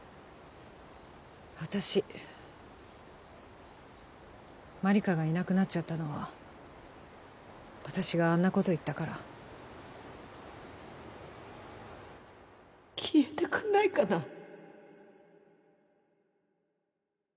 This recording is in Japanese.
私万理華がいなくなっちゃったのは私があんなこと言ったから消えてくんないかな